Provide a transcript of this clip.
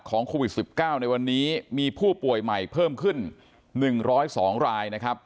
โควิด๑๙ในวันนี้มีผู้ป่วยใหม่เพิ่มขึ้น๑๐๒รายนะครับ